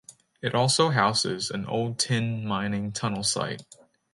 It also houses an old tin mining tunnel site.